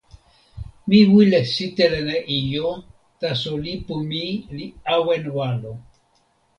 mi wile sitelen e ijo, taso lipu mi li awen walo.